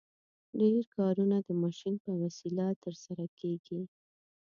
ډېر کارونه د ماشین په وسیله ترسره کیږي.